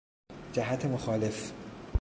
جهت مخالف